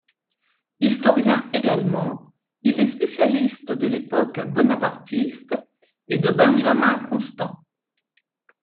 Historien également, il est spécialiste de l'époque bonapartiste et de Benjamin Constant.